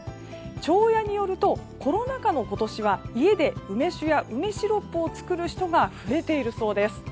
チョーヤによるとコロナ禍の今年は家で梅酒や梅酒ロックを作る人が増えているそうです。